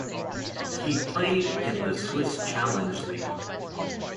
He played in the Swiss Challenge League.